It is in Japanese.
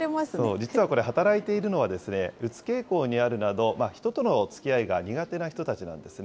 実はこれ、働いているのは、うつ傾向にあるなど、人とのつきあいが苦手な人たちなんですね。